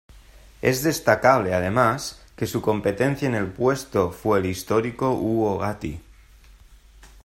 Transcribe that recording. Es destacable, además, que su competencia en el puesto fue el histórico Hugo Gatti.